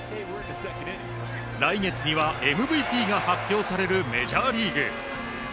来月にはＭＶＰが発表されるメジャーリーグ。